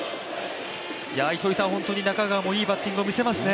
本当に中川もいいバッティングを見せますよね。